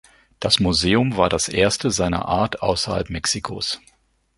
Das Museum war das erste seiner Art außerhalb Mexikos.